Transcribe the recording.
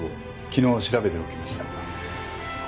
昨日調べておきました。